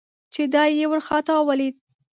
چې دای یې ورخطا ولید.